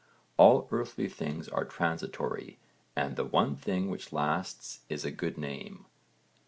All earthly things are transitory and the one thing which lasts is good fame.